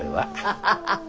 ハハハハ。